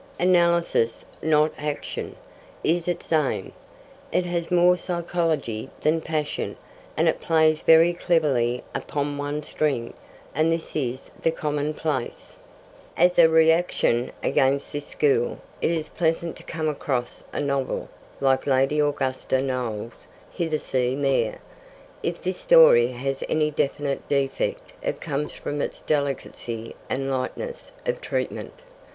Analysis, not action, is its aim; it has more psychology than passion, and it plays very cleverly upon one string, and this is the commonplace. As a reaction against this school, it is pleasant to come across a novel like Lady Augusta Noel's Hithersea Mere. If this story has any definite defect, it comes from its delicacy and lightness of treatment.